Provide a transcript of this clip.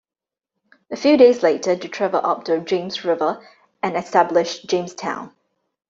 A few days later, they travelled up the James River and established Jamestown.